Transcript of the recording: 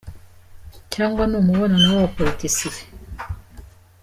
cyangwa ni umubonano w’aba politiciens ?